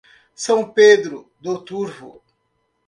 São Pedro do Turvo